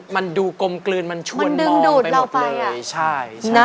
มันดูกลมกลืนมันชวนมองไปหมดเลยใช่มันดึงดูดเราไป